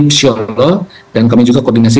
insya allah dan kami juga koordinasi